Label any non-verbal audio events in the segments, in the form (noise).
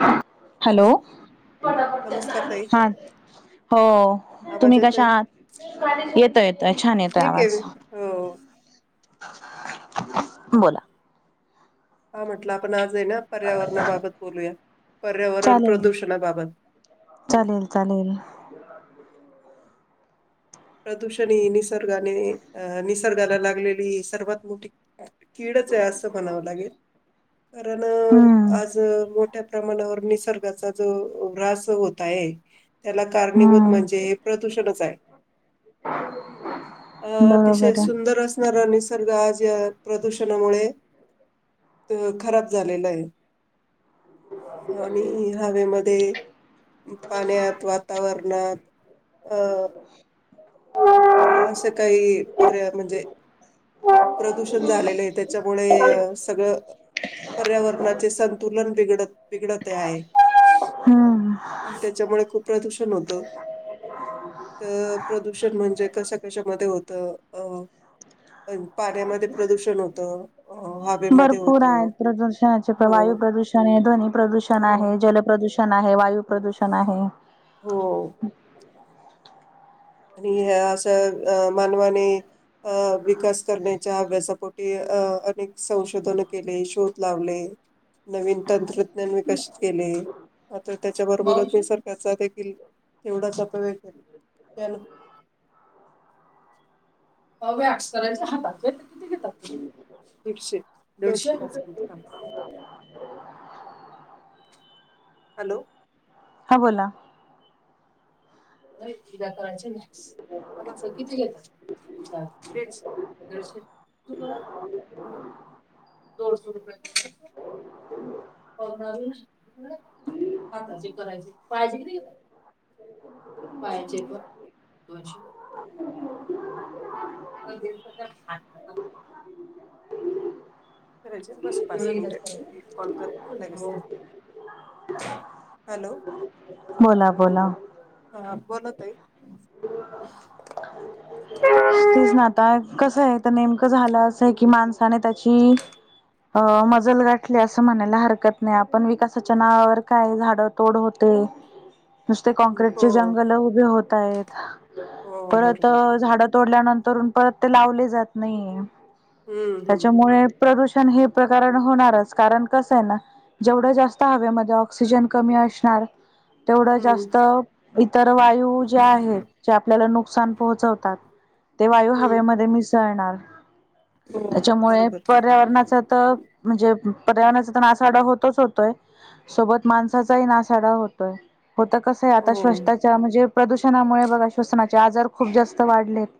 ह हॅलो नमस्कार ताई हा हो तुम्ही आवाज येतोय कशा येतोय येतोय छान येतोय ठीक आहे आवाज मी हो बोला आ म्हटला पण आज. (unintelligible) पर्यावरणाबाबत बोलूया पर्यावरण चालेल प्रदूषणाबाबत. चालेल चालेल प्रदूषण (unintelligible) (unintelligible) निसर्गा निसर्गाला लागलेली सर्वात मोठी. कीडच आहे असं बनावं लागेल, कारण हम्म आज मोठ मोठ्या प्रमाणावर निसर्गाचा जो व्रास होत आहे. त्याला कारणीभूत हम्म म्हणजे, प्रदूषणच आहे. अ अतिशय बरोबर आहे सुंदर असणारा निसर्ग निसर्ग आज या प्रदूषणामुळे, खराब झालेला आहे. आणि हवेमध्ये, पाण्यात, वातावरणात. अ (inaudible) अ असं काही पर्या म्हणजे, प्रदूषण झालेले त्याच्यामुळे सगळं पर्यावरणाचे संतुलन बिडत बिघडत आहे. हम्म त्याच्यामुळे खूप प्रदूषण होत तर प्रदूषण म्हणजे, कशा कशामध्ये होत अ. अ पाण्यामध्ये प्रदूषण होतं, अ हवेमध्ये भरपूर होत. आहेत प्रदूषणाचे वायू हो. प्रदूषण आहे ध्वनी अ, प्रदूषण आहे. जल प्रदुषण. वायू प्रदूषण आहे. हो (inaudible) आणि ह्या अशा अ मानवाने अ विकास करण्याच्या अभ्यासापोटी अ अनेक संशोधन केले. शोध लावले नवीन तंत्रज्ञान विकसित केले मग त्याच्याबरोबरच मी सरकारचा देखील तेवढाच अपयग केला. ओ व्यकस करायच हाताचे, किती घेतात तुम्ही दीडशे. दिडशे. हॅलो. हा बोला. नाही. तिला करायचं ना. किती घेता दिडशे दिडशे. हाताचे करायचे. पायाचे किती घेता? पायाचे पण दोनशे. (unintelligible) करायच बसा पाच मिनिट एक कॉल करते मग लगेच करते. बोला बोला. हा बोला ताई (inaudible) तेच ना आता कसं हाय तर नेमकं झालं असंय कि, माणसाने त्याची अ मजल गाठली असं म्हणायला हरकत नाही. आपण विकासाच्या नावावर काय झाड तोड होते. नुसते हो कॉक्रीटचे हो जंगल उभी होत आहेत. हो परत बरोबर आहे - - झाडं तोडल्यानंतर, परत ते लावले जात नाहीये. हम्म हम्म त्याच्यामुळे प्रदूषण - - हे प्रकरणचं होणारच कारण कस हेना जेवढ जास्त हवेमध्ये ऑक्सिजन कमी असणार - - तेवढं हम्म जास्त इतर वायू जे आहेत जे आपल्याला नुकसान पोहोच - - ते वायू हम्म हवेमध्येध्ये मीसळुन जाणार. हो त्याच्यामुळे बरोबर पर्यावरणाच तर म्हणजे अ - - पर्यावरणाचा तर नासाडा होतच होतोय. सोबत माणसाचाही नासाडा होतोय. होत कसं आहे आता हो श्वताच्या म्हणजे - - प्रदूषणामुळे बघा श्वसनाचे आजार खूप जास्त - - वाढलेत.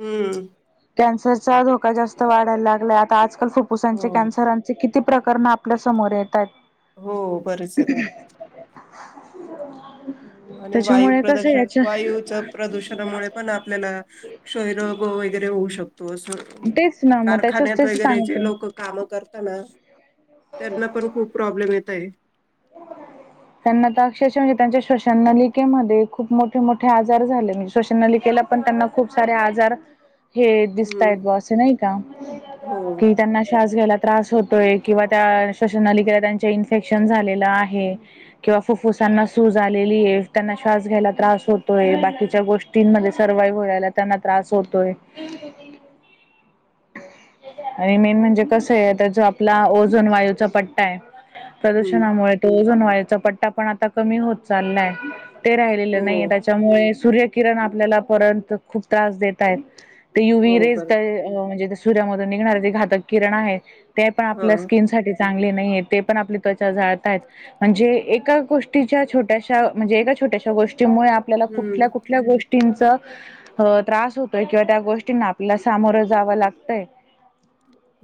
हम्म. कॅन्सरचा धोका जास्त वाढायला लागलाय. आता आज - - फप्फसांचे हो कनसरांचे कि ती प्रकरण आपल्या समोर येत हैत. हो बरेच येत आहेत (inaudible) (inaudible) आणि वायू प्रदूषण वायूच प्रदूषणामुळे पण आपल्याला क्षयरोग वगैरे होऊ शकतो तो तेच ना मग त्याच्याच कारखान्यात तेच वगैरे जे सांगते लोक काम करत ना त्यांना पण खूप प्रॉब्लेम य काय त्यांना तर अक्षरश म्हणजे त्यांच्या श्वसन नलिकेमध्ये खूप मोठे मोठे आजार झालेज श्वसन नलिकेला पण त्यांना खूप सारे आजार हे हम्म दिसतायेत ब असं नाही का हो कि त्यांना श्वास घ्यायला त्रास होतोय किंवा त्या श्वनालिक त्यांच्या इन्फेक्शन झालेलं आहे किंवा फुफ्फुसांना सूज आलेली आहे त्यांना श्वास घ्यायला त्रास होतोय बाकीच्या गोष्टींमध्ये सर्वाइव्ह वला त्यांना त्रास होतोय आणि मेन म्हणजे कस आहे त्या जो आपला ओझोन वायूचा पट्टा आहे हम्म प्रदूषणामुळे तोजन व्हाय पट्टा पण आता कमी होत चाललाय ते राहिलेले हो नाही त्याच्यामुळे सूर्य किरण आपल्याला परर्यंत खूप त्रास देतय ते यु व हो रेज बरोबर म्हणजे सूर्यामध्ये निघणारे ते घातक किरण आहे ते पण हा आपल्या स्किन साठी चांगले नाही ते पण आपली त्वचा जाळताय म्हणजे एका गोष्टीच्या छोट्याशा म्हणजे एका छोट्याशा गोष्टी त्यामुळे आपल्याला कुठल्या हम्म कुठल्या गोष्टी गीं त्रास होतोय किंवा त्या गोष्टींना आपल्याला सामोरं जावं लागतय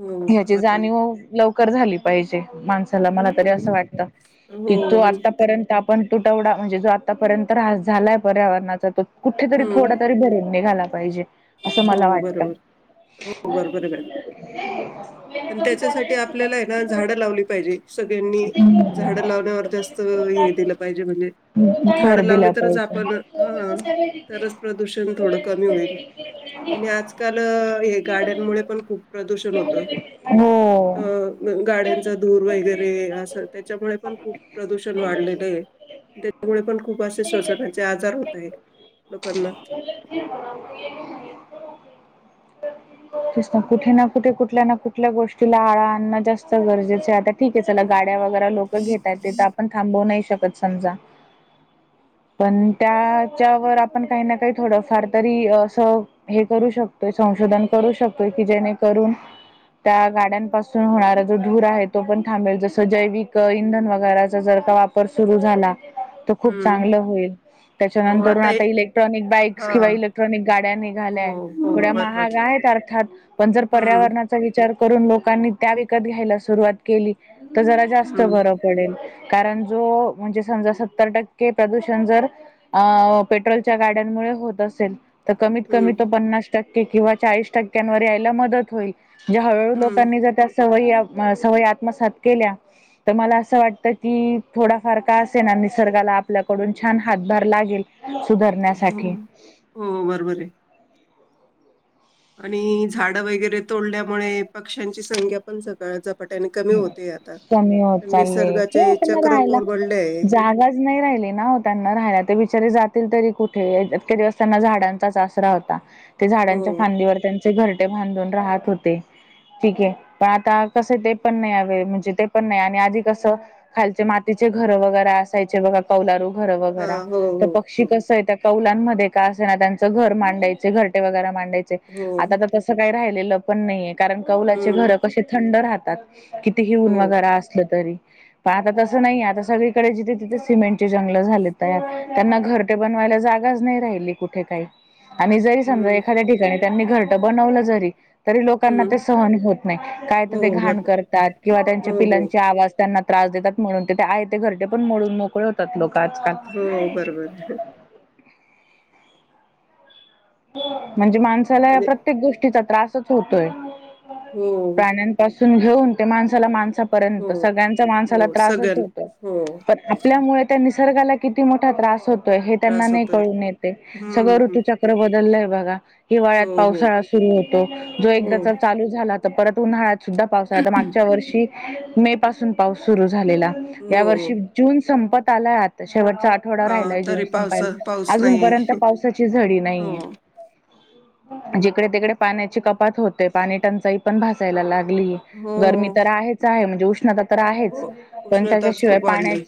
हो ह्याची बरोबर जाणीव लवकर झाली पाहिजे माणसाला मला तरी असं हम्म वाटत हो कि तो आणि ते आतापर्यंत आपण तुटवडा म्हणजे जो आतापर्यंत रास झालाय पर्यावरणाचा तो कुठेतरी हम्म थोडा तरी भरून निघाला पाहिजे असं मला हो वाटत बरोबर हो बरोबर आहे मॅडम पण त्याच्यासाठी आपल्याला आहे ना झाडं लावली पाहिजे सगळ्यांनी झाडं लावण्यावर जास्त हे दिलं पाहिजे म्हणजे झाड भर लावली दिला तरच पाहिजे. आपण हा तरच प्रदूषण थोडं कमी होईल आणि आजकाल हे गाड्यांमुळे पण खूप प्रदूषण होत अ हो. गाड्यांच धूर वगैरे अस त्याच्यामुळे पण खूप प्रदूषण त्यामुळे पण खूप असे शवजनाचे आजार होत लोकांना स ना कुठे ना कुठे कुठल्या ना कुठल्या गोष्टीला आळा आणणं जास्त गरजेचं आता ठीके चला गाडी ग लोक घेतात थ नाहीकत समजा पण त्याच्यावर आपण काही ना काही थोडफार तरी असं हे करू शकतोय संशोधन करू शकतोय की जेणेकरून त्या गाड्यांपासून होणारा जो धूर आहे तो पण थांबेल जस जैविक इंधन वगैर जर वापर सुरू झाला त खूप हम्म चांगलं होईल हो हं. त्याच्यानंतर हे आता इलेक्ट्रॉनिक बाईक्स हा किंवा इलेक्ट्रॉनिक गाड्या हो निघाल्याय थोड्या हो बरोबर महाग आहे. आहेत अर्थात पण जर हम्म पर्यावरणाचा विचार करून लोकांनी त्या विकत घ्यायला सुरुवात केली तर जरा जास्त हम्म बरं पडेल कारण जो म्हणजे समजा सत्तर टक्के प्रदूषण जर अ पेट्रोलच्या गाड्यांमुळे होत असेल तर कमीत कमी तो हम्म. पन्नास टक्के किंवा चाळीस टक्क्यांवर यायला मदत होईल ज्या हळूहळू हम्म लोकांनी ज त्या सवय सवय आत्मसात केल्या तर मला असं वाटतं की थोडाफार का असे ना निसर्गाला आपल्याकडून छान हातभार लागेल हो सुधारण्यासाठी हो बरोबर आहे आणि झाड वगैरे तोडल्यामुळे पक्ष्यांची संख्या पण सकाळच कमी होत चालले निसर्गाचे त्यांना चक्र राहायला कोरबडले आहे. जागाच नाही राहिली ना हो त्यांना राहायला ते बिचारे जात तरी कुठे इतक्या दिवसताना झाडांचाच आसरा होता ते हो झाडांच्या फांदीवर त्यां घरटे बांधून राहत होते ठीके पण आता कसे ते पण नाही हवे म्हणजे ते पण नाही आणि आधी कसं खालचे मातीचे घर वगैरे असायचे बघा कौलारू र वग हा हो तर हो पक्षी हो कसं आहे त्या काला ध्ये का असे ना त्यांचं घर मांडायचे घरटेगरे मांड हो आता तसं काय लं पण नाही कारण कौलाचे हम्म घर कसे थंड राहतात किती हि ऊन हो वगैरे असलं तरी पण आता तसं नाही आता सगळीकडे जिथे तिथे सिमेंटची जंगल झाले तयार त्यांना घरटे बनवायला जागाच नाही राहिली कुठे काही आणि जरी समजा हम्म. एखाद्या ठिकाणी त्यांनी घरट बनवलं जरी तरी लोकांना हं. ते सहन होत नाही काय तर ते हो, घाण बरोबर. कर किंवा त्यांच्या हो, हो. पिलांचे आवाज त्यां त्रास देतात म्हणून ते आहे ते घरचे पण मोडून मोकळे होतात लोक काज का हो, बरोबर आहे. हम् म्हणजे माणसाला या आणि प्रत्येक गोष्टी त्रासच होतोय. हो. (unintelligible) परेंत हो, सळ्यांचा माणसाला हो. त्रासच सगळ्यांना होतोय हो, पण आपल्यामुळे त्यांनी निसर्गाला किती मोठा त्रास होतो, हे त्यांना त्रास नाही होतोय. कळून येते सगळं हं, हं. ऋतूच्या बदलयं बगा, हिवाळ्यात हो, हो. पावसाळा सुरु होतो जो हो, एकदा चालू झाला परत उन्हाळा- सुद्धा पावसाळ्यात मागच्या वर्षी, मे पासून पाऊस सुरू झालेला या हो, हो. वर्षी जून सम्पत (unintelligible) शेवटचा आठवडा अ, राहिला आहे जून तरी पावस संपायला पाऊस नाही. अजूनपर्यंत पावसाची झडी नाही आहे. हो. जिकडे तिकडे पाण्याची कपात होते पाणी टंचाई पण भसायला लागते- हो, गरमी तर आहेच, आहे म्हणजे उष्णता तर हो. आहेच, पण उष्णताच त्याच्याशिवाय खूप पाण्या वाढली.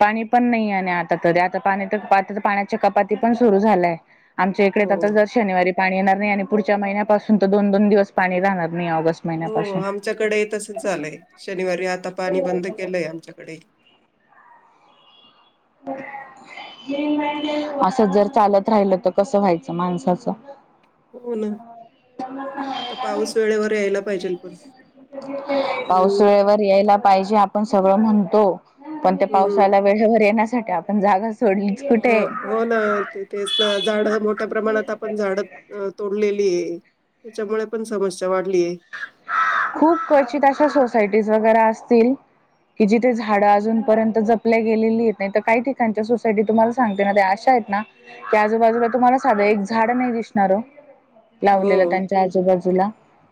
पाणी पण नाही आहे आणि आता तरी आता पाणी तर आता पाण्याच्या कपाती पण सुरू झालाय आमच्या इकडे हो. आता जर शनिवारी पाणी येणार नाही आणि पुढच्या महिन्यापासून तर दोन दोन दिवस पाणी राहणार नाही ऑगस्ट हो महिन्यापासून. आमच्याकडे तस झालंय शनिवारी आता पाणी बंद केलंय आमच्याकडे असं जर चालत राहिल तर कसं व्हायचं माणसाचं? हो ना तर पाऊस वेळेवर यायला पाहिजेल पण. आणि पाऊस वळेवर यायला पाहिजे आप आपण सगळं म्हणतो पण ते हं. पावसाला वेळेवर येणास आपण जागा सोडलीच कुठे. हो हो ना तेथच झाड मोठ्या प्रमाणात आपण झाड तोड. तोडलेली त्याच्यामुळें पण समस्या वाढली आहे. खूप क्वचित अशा सोसायटी वगै असतील कि जिथे झाड अजूनपर्यंत जपल्या गेलेली नाही तर काही ठिकाणच्या सोसायटी तुम्हाला सांगते ना अशा आहेत ना की आजूबाजूला तुम्हाला साध एक झाड नाही दिसणार ओ लावलेला हो. त्यांच्या आजूबाजूला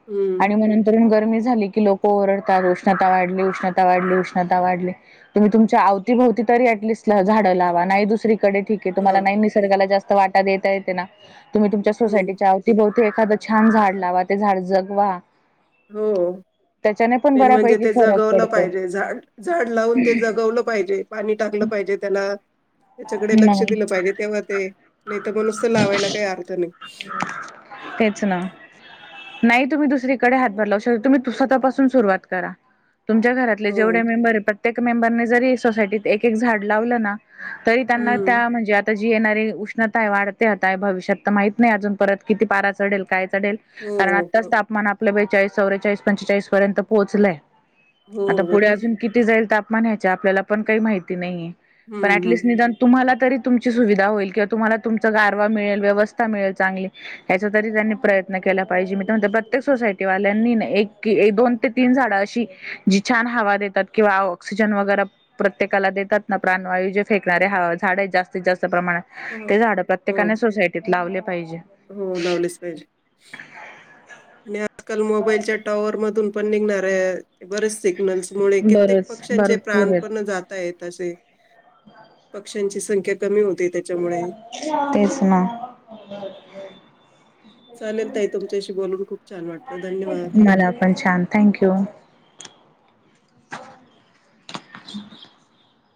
हं. आणि मं नंतर कमी झाले की लोक ओरडतात उष्णता वाढली उष्णता वाढली उष्णता वाढली तुम्ही तुमच्या अवतीभवती तरी ऍटलिस्ट झाडे लावा ठीक आहे तुम्हाला हां. नाही निसर्गाला जास् स् वाटा देता येते ना तुम्ही तुमच्या हं. सोसाटीच्यावती ते एखादं छान झाड लावा ते झाड जग वा हो मेन म्हणजे बऱ्यापैकी ते फरक जगवलं पडतो पाहिजे झाड झाड लावून ते जगवलं पाहिजे पाणी टाकलं पाहिजे त्याला त्याच्याकडे लक्ष नाही दिलं पाहिजे तेव्हा ते नाही तर मग नुसतं लावायला काही अर्थ नाही तेच ना नाही तुम्ही दुसरीकडे हातभर लावू शकता तुम्ही स्वतःपासून सुरुवात करा तुमच्या घरातले हो. जेवढे मेंबर प्रत्येक मेंबरने जरी सोसायटीत एक एक झाड लावलं ना तरी त्यांना हं. त्या म्हणजे आता येणारी उष्णता आहे वाढ भविष्यात माहत नाही अजून परत किती पारा चढल यल हो, कारण हो. आताच तापमान आपल्या चाळीस चौवेेचाळीस पंचेचाळीस पर्यंत पोहोचलाय आता हो, बरोबर पुढे आहे. असून किती जाईल तर म्हणा यायच्या आपल्याला पण काही माहिती नाहीये पण आ हं, हं. निदान तुम्ह तरी तुमची सुविधा होईल किंवा तुम्हाला तुमचा गारवा मिळेल व्यवस्था मिळेल चांगली याचा तरी त्यांनी प्रयत्न केला पाहिजे मी तर म्हणते प्रत्येक सोसायटी वाल्यांनी एक दोन ते तीन झाडा अशी जी छान हवा देतात किंवा ऑक्सिजन वगैर प्रत्येकाला देतात ना प्राणवायू जे फेकणार्या हा झाडं आहेत जास्तीत जास्त च प्रमाणात ते हो, झाड प्रत्येकाने हो. सोसायटीत लावले पाहिजे. हो लावलेच पाहिजे आणि आजकाल मोबाईलच्या टॉवर मधून पण निघणारेत बरेसे नल्स मुळे कित्येक बरच पक्ष्यांचे भरपूर प्राण पण आहेत जात आहेत तसे (inaudible) पक्ष्यांची संख्या कमी होऊन तेचना चालेल ताई तुमच्याशी बोलून खूप छान वाटलं धन्यवाद मला पण छान थँक्यू. (unintelligible)